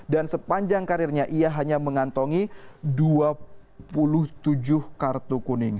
dan sepanjang karirnya ia hanya mengantongi dua puluh tujuh kartu kuning